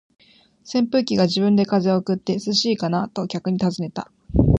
扇風機が自分で風を送って、「涼しいかな？」と客に尋ねた。